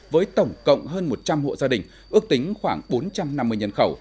với tổng cộng hơn một trăm linh hộ gia đình ước tính khoảng bốn trăm năm mươi nhân khẩu